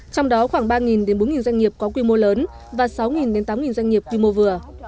trong đó khoảng ba đến bốn doanh nghiệp có quy mô lớn và sáu đến tám doanh nghiệp quy mô vừa